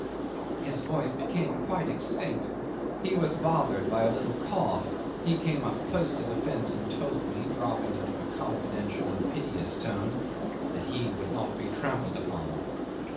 ..." His voice became quite extinct; he was bothered by a little cough; he came up close to the fence and told me, dropping into a confidential and piteous tone, that he would not be trampled upon.